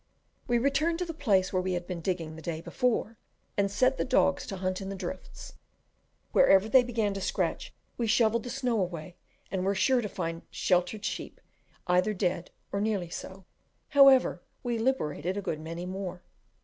We returned to the place where we had been digging the day before, and set the dogs to hunt in the drifts; wherever they began to scratch we shovelled the snow away, and were sure to find sheep either dead or nearly so: however, we liberated a good many more.